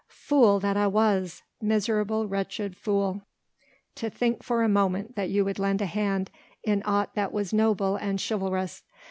Fool that I was! miserable, wretched fool! to think for a moment that you would lend a hand in aught that was noble and chivalrous!